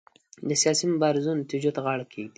د سیاسي مبارزو نتیجو ته غاړه کېږدي.